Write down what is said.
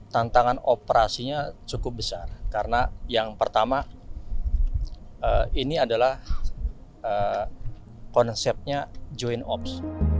tantangan operasinya cukup besar karena yang pertama ini adalah konsepnya joint ops